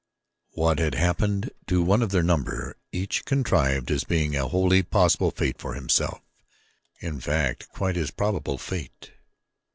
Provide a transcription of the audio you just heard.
What had happened to one of their number each conceived as being a wholly possible fate for himself in fact quite his probable fate.